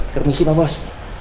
permisi pak bos